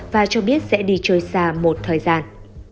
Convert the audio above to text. và cho biết sẽ đi trôi xa một thời gian